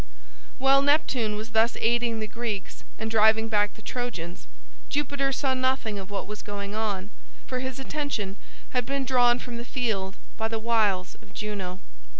While Neptune was thus aiding the Greeks and driving back the Trojans, Jupiter saw nothing of what was going on, for his attention had been drawn from the field by the wiles of Juno.